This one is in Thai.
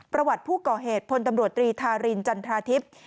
ประวัติผู้ก่อเหตุพลตำรวจตรีธารินจันทราทิพย์